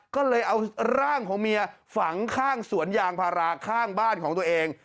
ก็เลยเอาร่างของเมียฝังข้างสวนยางพาราข้างบ้านของตัวเอง